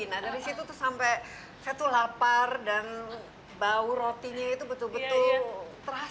nah dari situ tuh sampai saya tuh lapar dan bau rotinya itu betul betul terasa